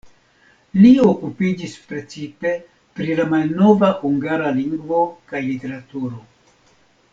Li okupiĝis precipe pri la malnova hungara lingvo kaj literaturo.